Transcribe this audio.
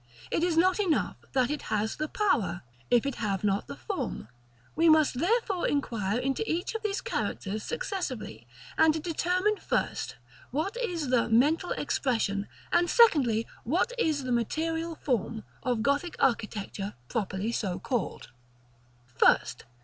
It is not enough that it has the Power, if it have not the form. We must therefore inquire into each of these characters successively; and determine first, what is the Mental Expression, and secondly, what the Material Form, of Gothic architecture, properly so called. 1st.